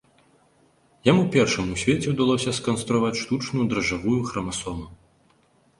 Яму першаму ў свеце ўдалося сканструяваць штучную дражджавую храмасому.